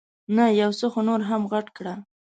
نه، یو څه یې نور هم غټ کړه.